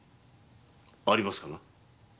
ありますかな？